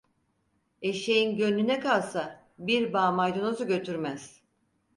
Eşeğin gönlüne kalsa bir bağ maydanozu götürmez.